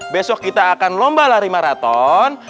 besok kita akan lomba lari maraton